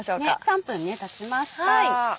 ３分たちました。